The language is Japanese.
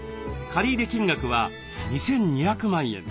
借入金額は２，２００万円。